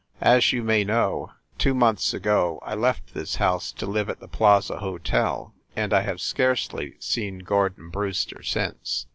As you may know, two months ago I left this house to live at the Plaza Hotel, and I have scarcely seen Gordon Brewster since."